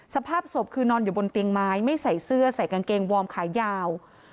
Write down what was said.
สภาพศพคือนอนอยู่บนเตียงไม้ไม่ใส่เสื้อใส่กางเกงวอร์มขายาว